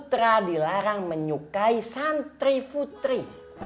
putra dilarang menyukai santri putri